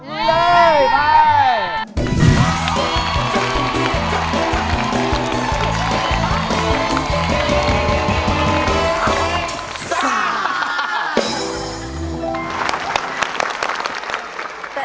ไปเลยไป